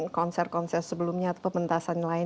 konser konser sebelumnya atau pementasan lain